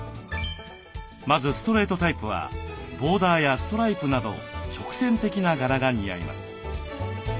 まずストレートタイプはボーダーやストライプなど直線的な柄が似合います。